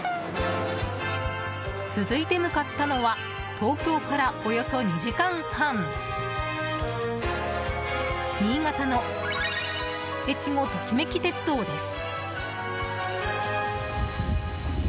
続いて向かったのは東京からおよそ２時間半新潟のえちごトキめき鉄道です。